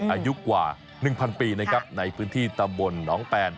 อายุกว่า๑๐๐ปีนะครับในพื้นที่ตำบลหนองแปน